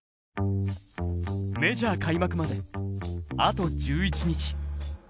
メジャー開幕まであと１１日。